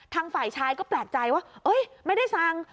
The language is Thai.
ทางฝ่ายชายก็แปลกใจว่าไม่ได้สั่ง